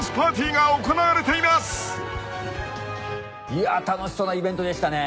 いや楽しそうなイベントでしたね。